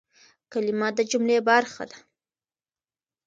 کلیمه د جملې برخه ده.